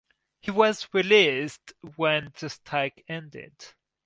He was released when the strike ended.